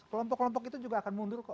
kelompok kelompok itu juga akan mundur kok